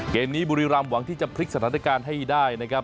เกมนี้บุรีรำหวังที่จะพลิกสถานการณ์ให้ได้นะครับ